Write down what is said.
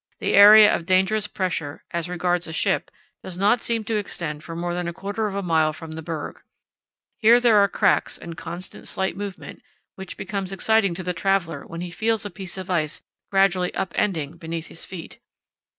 "The area of dangerous pressure, as regards a ship, does not seem to extend for more than a quarter of a mile from the berg. Here there are cracks and constant slight movement, which becomes exciting to the traveller when he feels a piece of ice gradually upending beneath his feet.